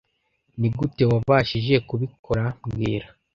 Nigute wabashije kubikora mbwira